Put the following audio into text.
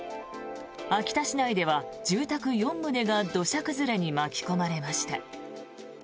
秋田市内では住宅４棟が土砂崩れに巻き込まれました。